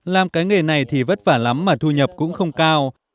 làm cái nghề này thì vất vả lắm mà thu nhập cũng không cao